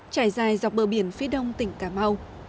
trải dài dọc bờ biển phía đông tỉnh cà mau